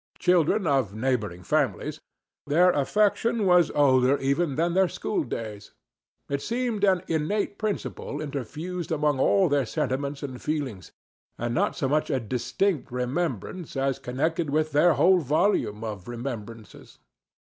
Children of neighboring families, their affection was older even than their school days; it seemed an innate principle interfused among all their sentiments and feelings, and not so much a distinct remembrance as connected with their whole volume of remembrances.